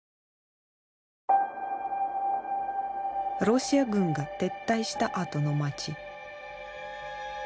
ロシア軍が撤退したあとの街。